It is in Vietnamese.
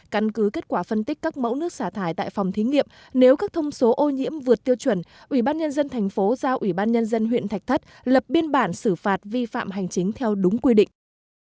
căn cứ kết quả phân tích các mẫu nước xả thải tại phòng thí nghiệm nếu các thông số ô nhiễm vượt tiêu chuẩn ủy ban nhân dân thành phố giao ủy ban nhân dân huyện thạch thất lập biên bản xử phạt vi phạm hành chính theo đúng quy định